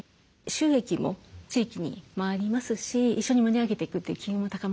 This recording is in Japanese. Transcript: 収益も地域に回りますし一緒に盛り上げていくという機運も高まりますし。